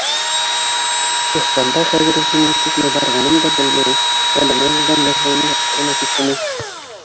Ихсанбай хәҙер үҙенең күпме барғанын да белмәй, ә бына юлдан яҙғанын ғына яҡшы төшөнә.